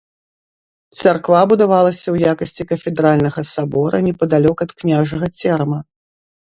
Царква будавалася ў якасці кафедральнага сабора непадалёк ад княжага церама.